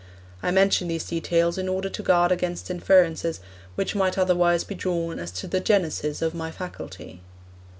I mention these details in order to guard against inferences which might otherwise be drawn as to the genesis of my faculty.